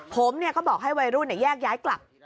ผมก็บอกให้วัยรุ่นแยกย้ายกลับ